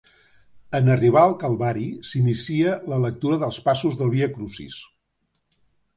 En arribar al Calvari s'inicia la lectura dels passos del Via Crucis.